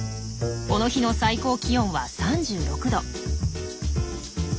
この日の最高気温は３６℃。